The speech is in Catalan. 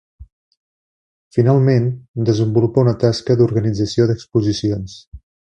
Finalment, desenvolupa una tasca d'organització d'exposicions.